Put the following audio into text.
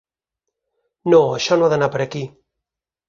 No, això no ha d’anar per aquí.